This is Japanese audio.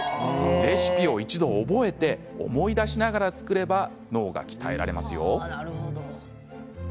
レシピを一度、覚えて思い出しながら作れば脳が鍛えられますよ。